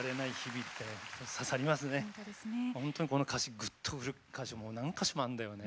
本当にこの歌詞ぐっとくる箇所もう何か所もあるんだよね。